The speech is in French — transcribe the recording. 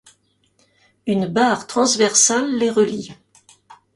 Une barre transversale les relie.